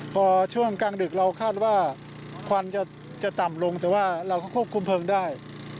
พอช่วงกลางดึกเราคาดว่าควันจะต่ำลงแต่ว่าเราก็ควบคุมเพลิงได้